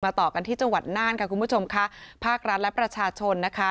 ต่อกันที่จังหวัดน่านค่ะคุณผู้ชมค่ะภาครัฐและประชาชนนะคะ